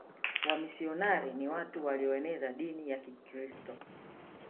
Wamisionari ni watu walioeneza dini ya kikiristo